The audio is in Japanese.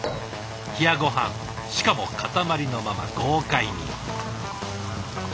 冷やごはんしかも塊のまま豪快に。